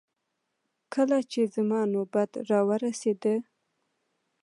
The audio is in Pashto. کله چې زما نوبت راورسېد.